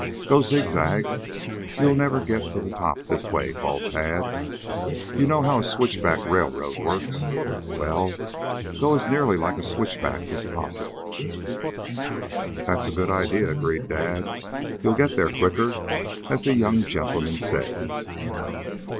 "Go zig zag. You'll never get to the top this way," called Tad. "You know how a switchback railroad works? Well, go as nearly like a switch back as possible." "That's a good idea," agreed Dad. "You'll get there quicker, as the young gentleman says."